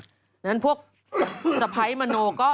ฉะนั้นพวกสะพ้ายมโนก็